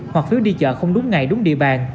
hoặc phiếu đi chợ không đúng ngày đúng địa bàn